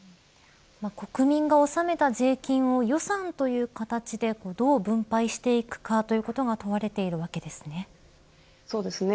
国民が納めた税金を予算という形でどう分配していくかということが問われているわけですね。